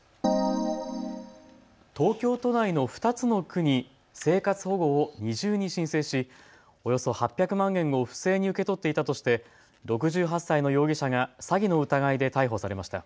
東京都内の２つの区に生活保護を二重に申請しおよそ８００万円を不正に受け取っていたとして６８歳の容疑者が詐欺の疑いで逮捕されました。